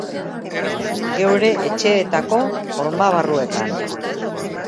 Geure etxeetako horma-barruetan.